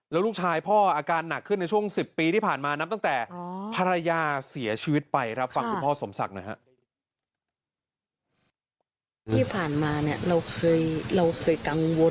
แล้วลูกชายพ่ออาการหนักขึ้นในช่วง๑๐ปีที่ผ่านมานับตั้งแต่ภรรยาเสียชีวิตไปครับฟังคุณพ่อสมศักดิ์หน่อยฮะ